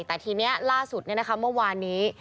แต่ทีนี้ล่าสุดเนี่ยนะครับเมื่อวานนี้